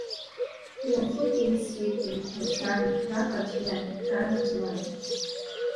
Уахык еициит, еиқәлацәами, раб аӡә иами, ран аӡә лами!